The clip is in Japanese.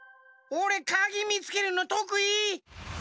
おれかぎみつけるのとくい。